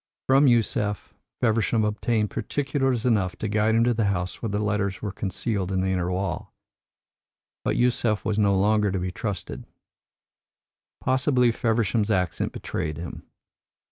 From Yusef, Feversham obtained particulars enough to guide him to the house where the letters were concealed in the inner wall. But Yusef was no longer to be trusted. Possibly Feversham's accent betrayed him.